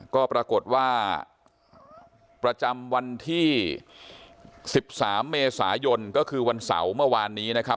ก็ปรากฏว่าประจำวันที่๑๓เมษายนก็คือวันเสาร์เมื่อวานนี้นะครับ